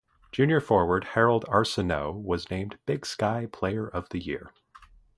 Junior forward Harold Arceneaux was named Big Sky Player of the Year.